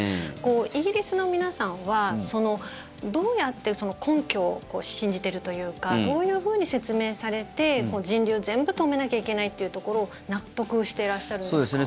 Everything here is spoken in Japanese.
イギリスの皆さんはどうやって根拠を信じているというかどういうふうに説明されて人流を全部止めなきゃいけないっていうところを納得していらっしゃるんですか？